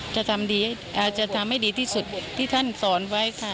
จะทำให้ดีที่สุดที่ท่านสอนไว้ค่ะ